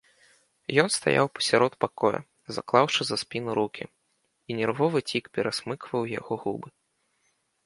Ён стаяў пасярод пакоя, заклаўшы за спіну рукі, і нервовы цік перасмыкваў яго губы.